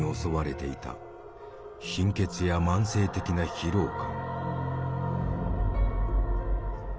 貧血や慢性的な疲労感。